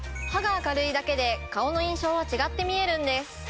歯が明るいだけで顔の印象は違って見えるんです。